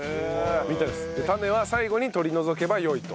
種は最後に取り除けばよいと。